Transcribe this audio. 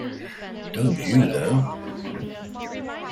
Don't you, though!